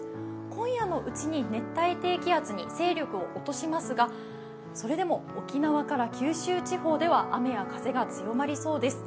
今夜のうちに熱帯低気圧に勢力を落としますがそれでも沖縄から九州地方では雨や風が強まりそうです。